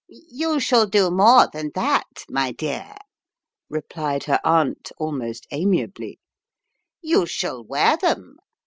"You shall do more than that, my dear," replied her aunt almost amiably, "you shall wear them.